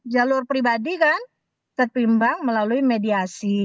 jalur pribadi kan ketimbang melalui mediasi